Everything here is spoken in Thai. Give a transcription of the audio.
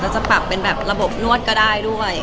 จะปักเป็นแบบระบบนวดก็ได้ด้วย